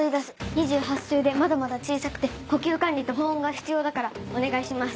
２８週でまだまだ小さくて呼吸管理と保温が必要だからお願いします。